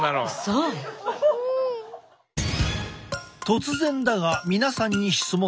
突然だが皆さんに質問だ。